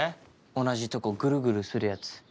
同じとこグルグルするやつ。